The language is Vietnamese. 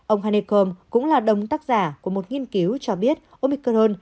ông hanekom cũng là đồng tác giả của một nghiên cứu cho biết omicron